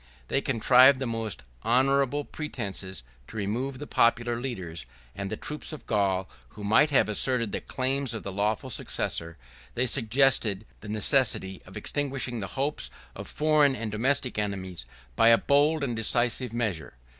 They contrived the most honorable pretences to remove the popular leaders, and the troops of Gaul, who might have asserted the claims of the lawful successor; they suggested the necessity of extinguishing the hopes of foreign and domestic enemies, by a bold and decisive measure.